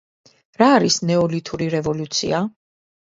რა არის "ნეოლითური რევოლუცია"?